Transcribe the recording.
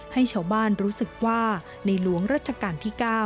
ให้ชาวบ้านรู้สึกว่าในหลวงรัชกาลที่๙